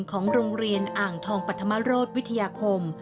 ของโรงเรียนอ่างทองปัธมโรธวิทยาคม